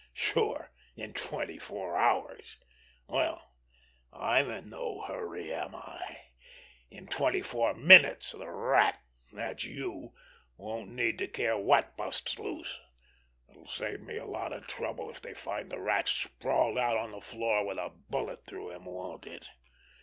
Sure, in twenty four hours! Well, I'm in no hurry, am I? In twenty four minutes the Rat—that's you—won't need to care what busts loose! It'll save me a lot of trouble if they find the Rat sprawled out on the floor with a bullet through him, won't it?"